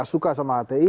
tidak suka sama hti